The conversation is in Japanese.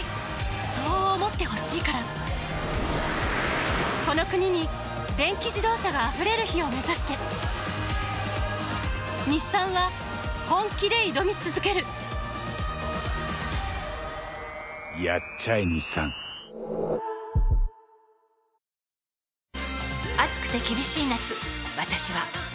そう思ってほしいからこの国に電気自動車があふれる日を目指して日産は本気で挑み続けるやっちゃえ日産でも自分が育ったふるさと、地域であれば何か近い。